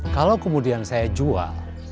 kalau kemudian saya jual